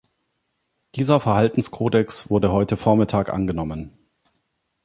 Dieser Verhaltenskodex wurde heute Vormittag angenommen.